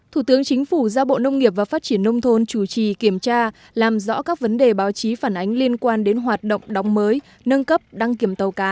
thủ tướng chính phủ giao bộ nông nghiệp và phát triển nông thôn chủ trì kiểm tra làm rõ các vấn đề báo chí phản ánh liên quan đến hoạt động đóng mới nâng cấp đăng kiểm tàu cá